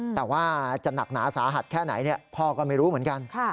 แต่ว่าจะหนักหนาสาหัสแค่ไหนพ่อก็ไม่รู้เหมือนกัน